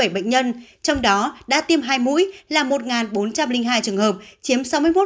trong đó đã tiêm hai mũi là một bốn trăm linh hai trường hợp chiếm sáu mươi một tám